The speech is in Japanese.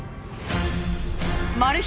マル秘